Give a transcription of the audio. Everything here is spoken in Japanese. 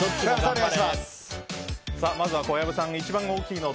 まずは小籔さんが一番大きいのを